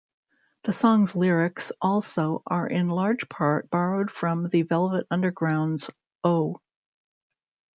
The song's lyrics, also, are in large part borrowed from The Velvet Underground's Oh!